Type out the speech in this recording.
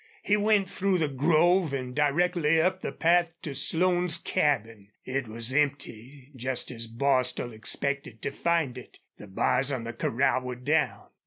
He went through the grove and directly up the path to Slone's cabin. It was empty, just as Bostil expected to find it. The bars of the corral were down.